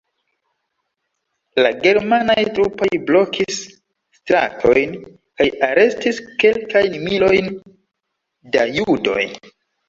La germanaj trupoj blokis stratojn kaj arestis kelkajn milojn da judoj.